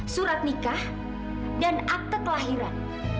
surat nikah dan akte kelahiran